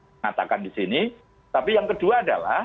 mengatakan disini tapi yang kedua adalah